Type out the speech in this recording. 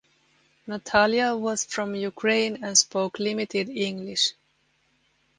Natalya was from Ukraine and spoke limited English.